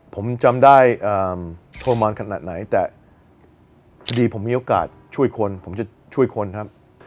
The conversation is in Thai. ผมจำได้โทรมานขนาดไหนแต่พอดีผมมีโอกาสช่วยคนผมจะช่วยคนครับ